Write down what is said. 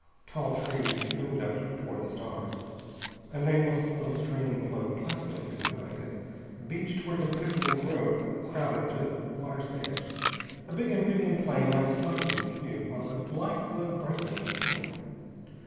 Tall trees loomed up toward the stars. A nameless little stream flowed placidly through the night and, beached where impenetrable undergrowth crowded to the water's edge, a big amphibian plane lay slightly askew, while a light glowed brightly in its cabin.